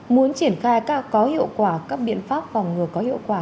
muốn triển khai có hiệu quả các biện pháp phòng ngừa có hiệu quả